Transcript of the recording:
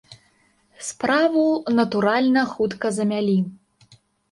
Справу, натуральна, хутка замялі.